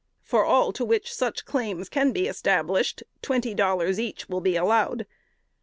For all to which such claims can be established, $20 each will be allowed.